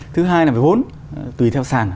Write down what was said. thứ hai là phải vốn tùy theo sàn